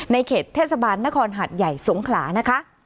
เขตเทศบาลนครหัดใหญ่สงขลานะคะ